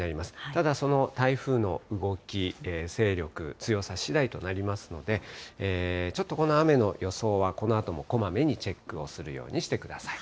ただその台風の動き、勢力、強さしだいとなりますので、ちょっとこの雨の予想は、このあともこまめにチェックをするようにしてください。